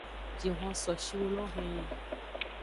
Jihon so shiwu lo henyi.